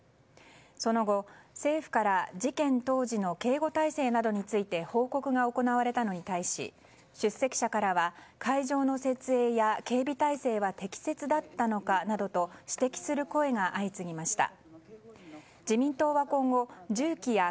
その後、政府から事件当時の警護態勢などについて報告が行われたのに対し出席者からは会場の設営や警備態勢は適切だったのかなどと指摘する声が相次ぎました。